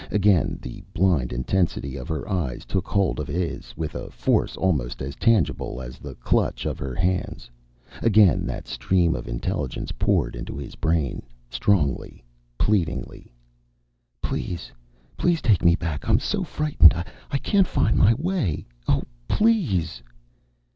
Again the blind intensity of her eyes took hold of his, with a force almost as tangible as the clutch of her hands; again that stream of intelligence poured into his brain, strongly, pleadingly. "Please, please take me back! I'm so frightened I can't find my way oh, please!"